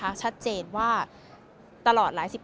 แต่เสียหายไปถึงบุคคลที่ไม่เกี่ยวข้องด้วย